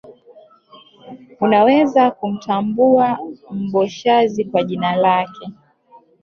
Unaweza kumtambua Mboshazi kwa jina lake